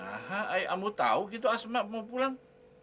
ahai kamu tahu gitu asma mau pulang